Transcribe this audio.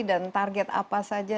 dan target apa saja